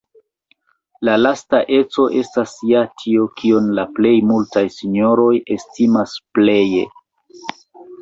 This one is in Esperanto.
La lasta eco estas ja tio, kion la plej multaj sinjoroj estimas pleje.